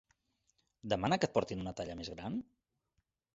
Demana que et portin una talla més gran?